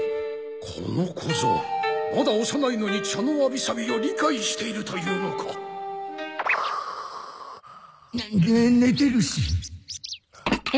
この小僧まだ幼いのに茶のわびさびを理解しているというのか？寝てるし。